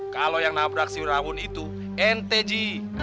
kalau yang nabrak si urawun itu ente ji